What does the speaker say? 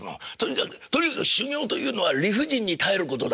「とにかく修業というのは理不尽に耐えることだ」って。